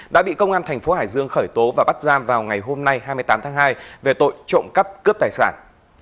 đã bị công an thành phố hải dương khởi tố và bắt giam vào ngày hôm nay hai mươi tám tháng hai về tội trộm cắp cướp tài sản